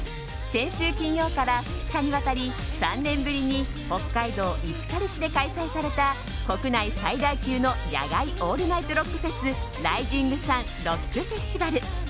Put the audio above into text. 先週金曜から２日にわたり３年ぶりに北海道石狩市で開催された国内最大級の野外オールナイトロックフェス「ＲＩＳＩＮＧＳＵＮＲＯＣＫＦＥＳＴＩＶＡＬ」。